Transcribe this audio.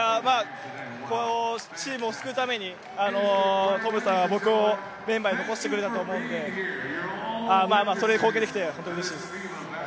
チームを救うために、トムさんは僕をメンバーに残してくれたと思うんで、それに貢献できて本当にうれしいです。